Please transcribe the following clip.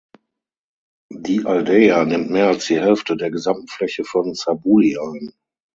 Die Aldeia nimmt mehr als die Hälfte der gesamten Fläche von Sabuli ein.